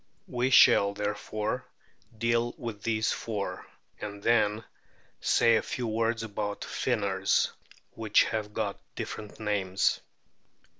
We shall therefore deal with these four, and then say a few words about " Finners " which have got different names.